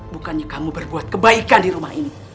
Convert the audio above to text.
bukannya kamu berbuat kebaikan di rumah ini